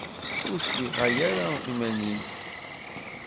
Ur swiɣay ara iman-im.